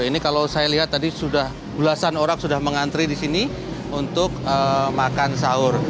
ini kalau saya lihat tadi sudah belasan orang sudah mengantri di sini untuk makan sahur